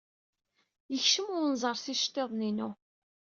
Yekcem wenẓar s iceḍḍiḍen-inu.